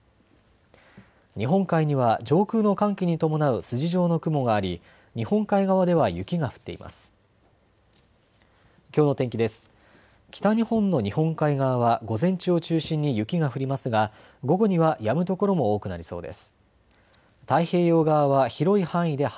日本海には上空の寒気に伴う筋状の雲があり日本海側では雪が降っています。